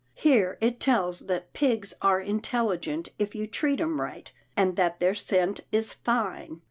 Here it tells that pigs are intelligent if you treat 'em right, and that their scent is fine.